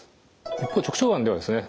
一方直腸がんではですね